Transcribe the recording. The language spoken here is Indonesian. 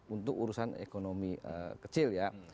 untuk urusan ekonomi kecil ya